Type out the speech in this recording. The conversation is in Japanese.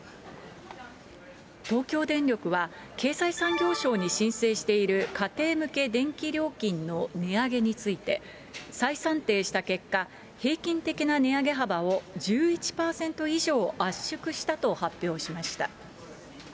東京電力は、経済産業省に申請している家庭向け電気料金の値上げについて、再算定した結果、平均的な値上げ幅を１１％以上圧縮したと発表しました。